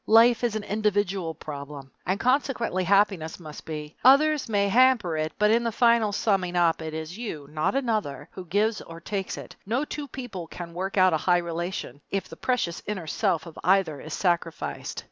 Life is an individual problem, and consequently happiness must be. Others may hamper it, but in the final summing up it is you, not another, who gives or takes it no two people can work out a high relation if the precious inner self of either is sacrificed.